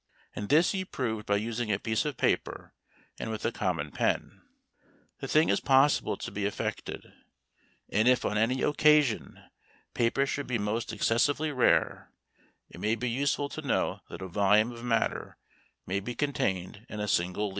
And this he proved by using a piece of paper, and with a common pen. The thing is possible to be effected; and if on any occasion paper should be most excessively rare, it may be useful to know that a volume of matter may be contained in a single leaf.